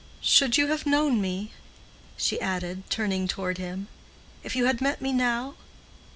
Should you have known me," she added, turning toward him, "if you had met me now?